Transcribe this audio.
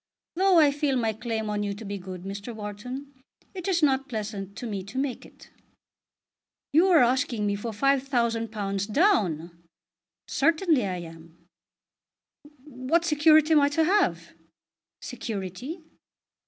Though I feel my claim on you to be good, Mr. Wharton, it is not pleasant to me to make it." "You are asking me for £5000 down!" "Certainly I am." "What security am I to have?" "Security?"